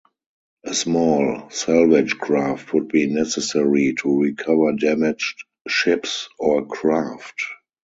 A small salvage craft would be necessary to recover damaged ships or craft.